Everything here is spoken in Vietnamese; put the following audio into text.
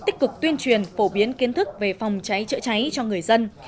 tích cực tuyên truyền phổ biến kiến thức về phòng cháy chữa cháy cho người dân